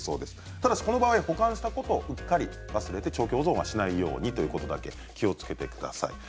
ただし、この場合保管したことをうっかり忘れないように長期保存しないように気をつけてください。